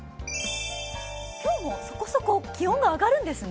今日もそこそこ、気温が上がるんですね。